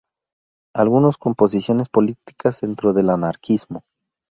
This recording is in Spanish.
Algunos con posiciones políticas dentro del anarquismo.